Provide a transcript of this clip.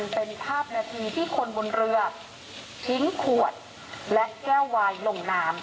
เป็นภาพนาทีที่คนบนเรือทิ้งขวดและแก้ววายลงน้ำ